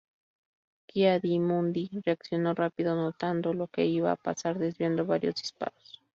Ki-Adi Mundi reaccionó rápido notando lo que iba a pasar, desviando varios disparos.